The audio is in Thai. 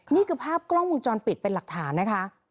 นี่คือภาพกล้องวงจรปิดเป็นหลักฐานนะคะ